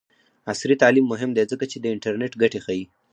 عصري تعلیم مهم دی ځکه چې د انټرنټ ګټې ښيي.